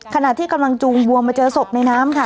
ขณะที่กำลังจูงวัวมาเจอศพในน้ำค่ะ